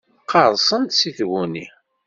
Qqerṣent si tguni.